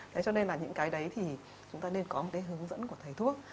thế cho nên là những cái đấy thì chúng ta nên có một cái hướng dẫn của thầy thuốc